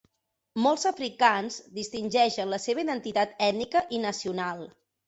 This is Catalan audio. Molts africans distingeixen la seva identitat ètnica i nacional.